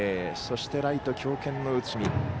そして、ライト強肩の内海。